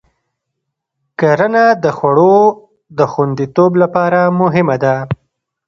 کرنه د خوړو د خوندیتوب لپاره مهمه ده.